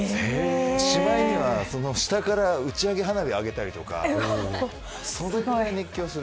しまいには下から打ち上げ花火を上げたりとかそれぐらい熱狂する。